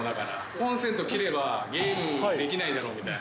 コンセント切れば、ゲームできないだろうみたいな。